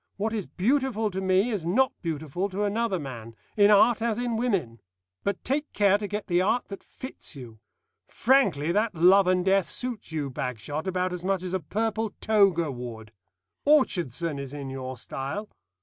What is beautiful to me is not beautiful to another man, in art as in women. But take care to get the art that fits you. Frankly, that 'Love and Death' suits you, Bagshot, about as much as a purple toga would. Orchardson is in your style.